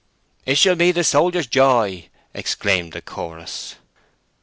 "It shall be 'The Soldier's Joy,'" exclaimed a chorus.